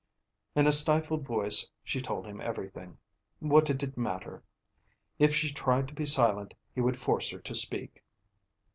In a stifled voice she told him everything. What did it matter? If she tried to be silent he would force her to speak.